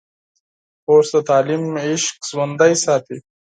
کورس د تعلیم عشق ژوندی ساتي.